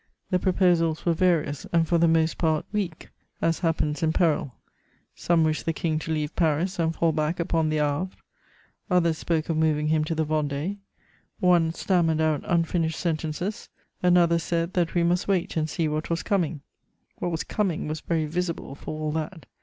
The proposals were various and for the most part weak, as happens in peril: some wished the King to leave Paris and fall back upon the Havre; others spoke of moving him to the Vendée; one stammered out unfinished sentences; another said that we must wait and see what was coming: what was coming was very visible, for all that.